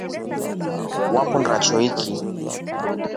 Wekunda choiki?